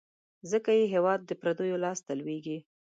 ځکه یې هیواد د پردیو لاس ته لوېږي.